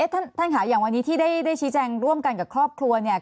ท่านค่ะอย่างวันนี้ที่ได้ชี้แจงร่วมกันกับครอบครัวเนี่ย